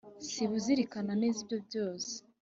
siba uzirikana neza ibyo byose